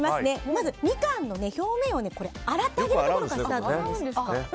まずミカンの表面を洗ってあげるところからがスタートなんです。